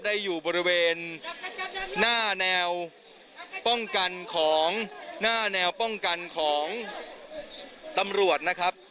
อยู่บริเวณหน้าแนวป้องกันของหน้าแนวป้องกันของตำรวจนะครับ